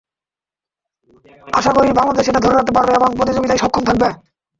আশা করি, বাংলাদেশ এটা ধরে রাখতে পারবে এবং প্রতিযোগিতায় সক্ষম থাকবে।